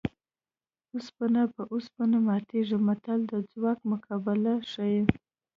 اوسپنه په اوسپنه ماتېږي متل د ځواک مقابله ښيي